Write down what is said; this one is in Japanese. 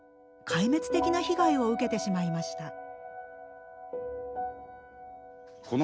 壊滅的な被害を受けてしまいました。